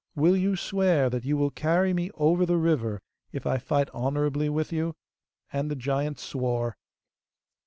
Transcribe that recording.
Will you swear that you will carry me over the river if I fight honourably with you?' And the giant swore.